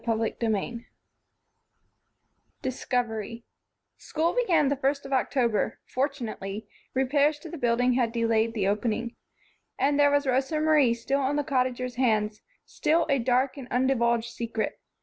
CHAPTER VII Discovery SCHOOL began the first day of October fortunately, repairs to the building had delayed the opening. And there was Rosa Marie still on the Cottagers' hands, still a dark and undivulged secret.